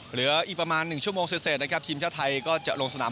เหลืออีกประมาณ๑ชั่วโมงเสร็จนะครับทีมชาติไทยก็จะลงสนาม